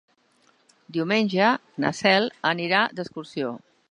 Diumenge na Cel anirà d'excursió.